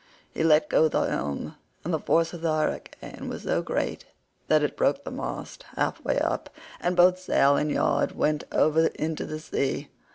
He let go the helm, and the force of the hurricane was so great that it broke the mast half way up, and both sail and yard went over into the sea.